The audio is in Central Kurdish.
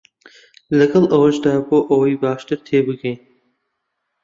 لەگەڵ ئەوەشدا بۆ ئەوەی باشتر تێبگەین